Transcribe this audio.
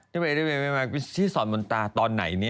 ที่สอนมนตาตอนไหนเนี่ย